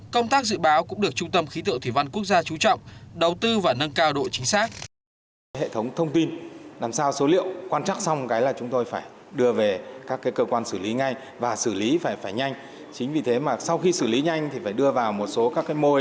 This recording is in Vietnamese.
công tác dự báo cũng được trung tâm khí tượng thủy văn quốc gia trú trọng đầu tư và nâng cao độ chính xác